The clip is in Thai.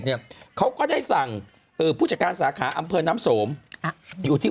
เนี่ยเขาก็ได้สั่งเอ่อผู้จัดการสาขาอำเภอน้ำสมอยู่ที่